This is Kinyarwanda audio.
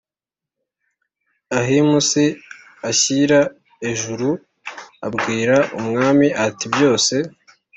Ahim si ashyira ejuru abwira umwami ati Byose